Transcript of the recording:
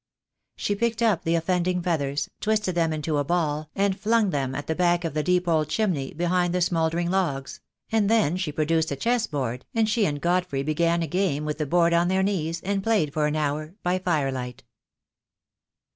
She picked up the offending feathers, twisted them into a ball, and flung them at the back of the deep old chimney, behind the smouldering logs; and then she pro duced a chess board, and she and Godfrey began a game with the board on their knees, and played for an hour by firelight.